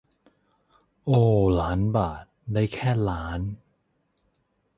โอ ล้านบาท ได้แค่ ล้าน